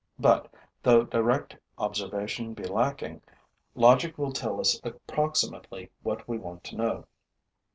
But, though direct observation be lacking, logic will tell us approximately what we want to know.